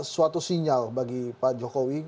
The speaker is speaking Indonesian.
suatu sinyal bagi pak jokowi